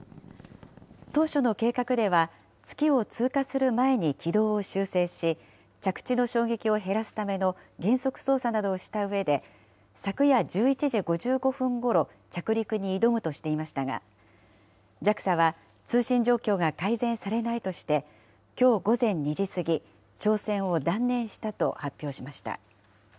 当初の計画では、月を通過する前に軌道を修正し、着地の衝撃を減らすための減速操作などをしたうえで、昨夜１１時５５分ごろ、着陸に挑むとしていましたが、ＪＡＸＡは通信状況が改善されないとして、きょう午前２時過ぎ、挑戦を断念したと発表しました。